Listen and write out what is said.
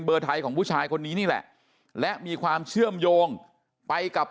ไทยของผู้ชายคนนี้นี่แหละและมีความเชื่อมโยงไปกับ